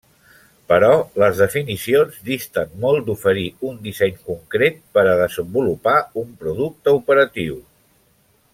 Però les definicions disten molt d’oferir un disseny concret per a desenvolupar un producte operatiu.